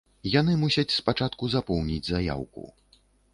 Яны мусяць спачатку запоўніць заяўку.